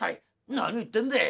「何を言ってんでい。